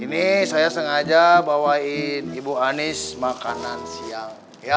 ini saya sengaja bawain ibu anis makanan siang ya